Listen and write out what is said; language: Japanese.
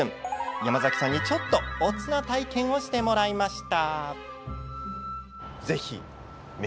山崎さんに、ちょっとおつな体験をしてもらいました。